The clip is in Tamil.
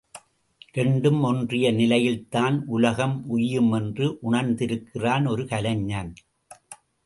இரண்டும் ஒன்றிய நிலையில்தான் உலகம் உய்யும் என்று உணர்ந்திருக்கிறான் ஒரு கலைஞன்.